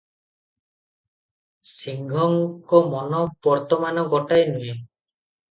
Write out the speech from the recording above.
ସିଂହଙ୍କ ମନ ବର୍ତ୍ତମାନ ଗୋଟାଏ ନୁହେ;